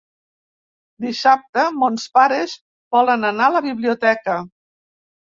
Dissabte mons pares volen anar a la biblioteca.